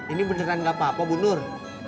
ini beneran gak apa apa bu nur